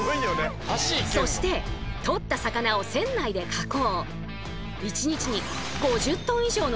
そして取った魚を船内で加工。